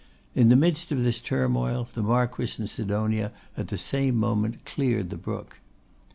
In the midst of this turmoil, the Marquess and Sidonia at the same moment cleared the brook.